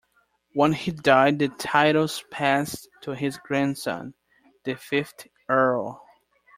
When he died the titles passed to his grandson, the fifth Earl.